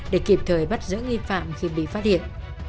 để kịp thời bắt giữ nghi phạm khi bị phát hiện